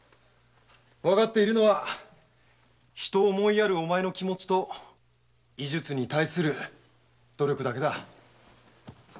わかっているのは人を思いやるお前の気持ちと医術に対する努力だけだ。